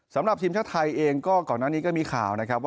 สำหรับทีมชาติไทยเองก็ก่อนหน้านี้ก็มีข่าวนะครับว่า